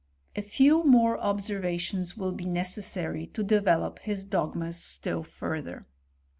A few more observations will be necessary to develop his dogmas still further.